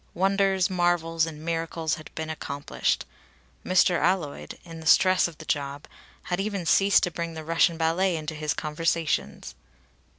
Wonders, marvels, and miracles had been accomplished. Mr. Alloyd, in the stress of the job, had even ceased to bring the Russian ballet into his conversations.